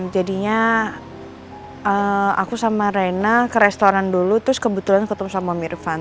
jadinya aku sama reyna ke restoran dulu terus kebetulan ketemu sama om irfan